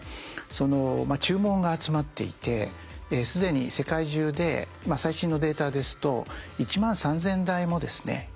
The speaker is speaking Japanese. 注文が集まっていて既に世界中で最新のデータですと１万３，０００機もですね